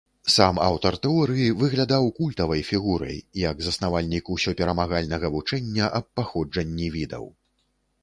Сам аўтар тэорыі выглядаў культавай фігурай, як заснавальнік ўсёперамагальнага вучэння аб паходжанні відаў.